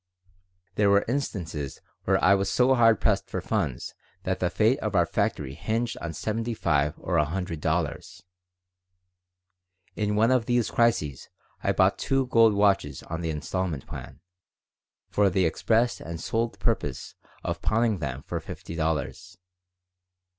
There were instances when I was so hard pressed for funds that the fate of our factory hinged on seventy five or a hundred dollars. In one of these crises I bought two gold watches on the instalment plan, for the express and sole purpose of pawning them for fifty dollars.